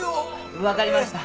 分かりました。